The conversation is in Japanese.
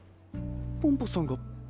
ポンポさんが？